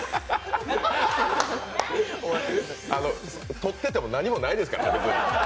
撮ってても何もないですからね。